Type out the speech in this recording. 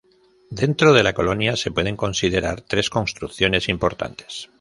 Dentro de la colonia se pueden considerar tres construcciones importantes.